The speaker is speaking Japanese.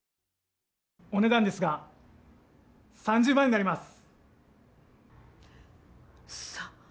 お値段ですが、３０万円になります。